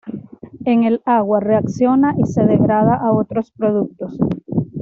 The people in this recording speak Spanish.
En el agua, reacciona y se degrada a otros productos.